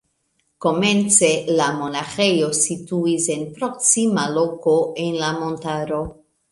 Komence la monaĥejo situis en proksima loko en la montaro.